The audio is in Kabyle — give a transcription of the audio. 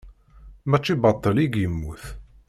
Mačči baṭel i yemmut.